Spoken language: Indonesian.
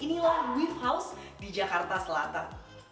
inilah wave house di jakarta selatan